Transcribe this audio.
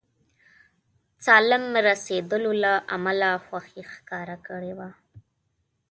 سالم رسېدلو له امله خوښي ښکاره کړې وه.